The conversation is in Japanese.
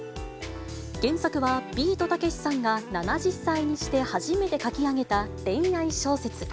原作はビートたけしさんが７０歳にして初めて書き上げた恋愛小説。